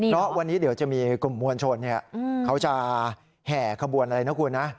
เพราะวันนี้เดี๋ยวจะมีกลุ่มมวลชนเขาจะแห่ขบวนอะไรนะคุณนะ